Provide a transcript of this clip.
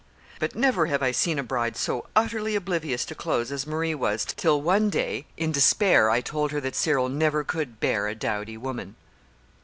But never have I seen a bride so utterly oblivious to clothes as Marie was till one day in despair I told her that Cyril never could bear a dowdy woman."